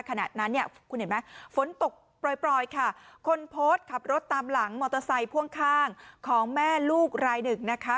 ขณะนั้นเนี่ยคุณเห็นไหมฝนตกปล่อยปล่อยค่ะคนโพสต์ขับรถตามหลังมอเตอร์ไซค์พ่วงข้างของแม่ลูกรายหนึ่งนะคะ